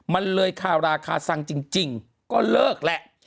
มันเลยคาราคาซังจริงก็เลิกแหละ